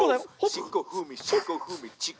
「しこふみしこふみちからあし」